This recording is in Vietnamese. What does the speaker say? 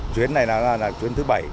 chuyến này là chuyến thứ bảy